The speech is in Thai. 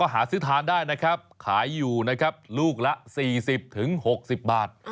ก็หาซื้อทานได้นะครับขายอยู่นะครับลูกละสี่สิบถึงหกสิบบาท